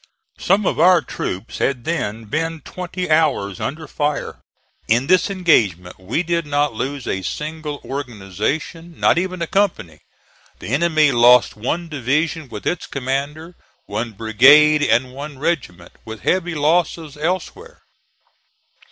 Some of our troops had then been twenty hours under fire. In this engagement we did not lose a single organization, not even a company. The enemy lost one division with its commander, one brigade and one regiment, with heavy losses elsewhere.